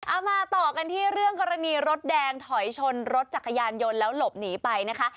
เอามาต่อกันที่เรื่องกรณีรถแดงถอยชนรถจักรยานยนต์แล้วหลบหนีไปนะคะ